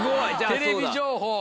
テレビ情報で。